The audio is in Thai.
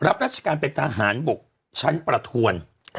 รับราชการเป็นทหารบกชั้นประทวน